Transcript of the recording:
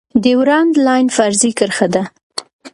ډیورنډ لاین فرضي کرښه ده